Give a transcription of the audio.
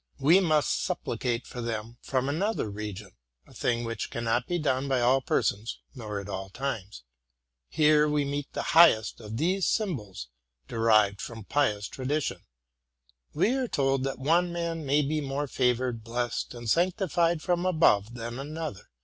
We must supplicate for them from another region, —a thing which cannot be done by all persons nor at all times. Here we meet the highest of these sym bols, derived from pious tradition. We are told that one man may be more favored, blessed, and sanctified from above than another.